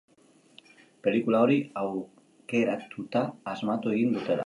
Pelikula hori aukeratuta asmatu egin dutela.